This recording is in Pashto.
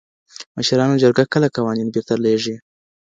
مشرانو جرګه کله قوانین بیرته لیږي؟